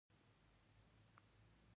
د زیړي د سترګو لپاره د الو بخارا اوبه وڅښئ